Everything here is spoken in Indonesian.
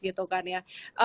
gitu kan ya